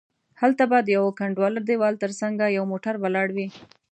هلته به د یوه کنډواله دیوال تر څنګه یو موټر ولاړ وي.